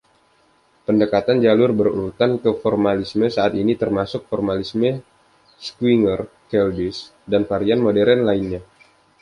Pendekatan jalur berurutan ke formalisme saat ini termasuk formalisme Schwinger-Keldysh dan varian modern lainnya.